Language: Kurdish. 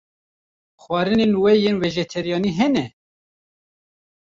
Xwarinên we yên vejeteryanî hene?